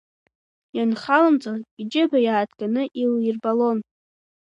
Ианхалымҵалак, иџьыба иааҭганы илирбалон.